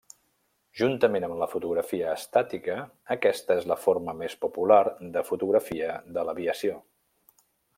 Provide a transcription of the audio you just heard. Juntament amb la fotografia estàtica, aquesta és la forma més popular de fotografia de l'aviació.